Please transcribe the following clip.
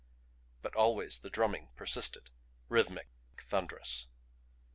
But always the drumming persisted, rhythmic, thunderous.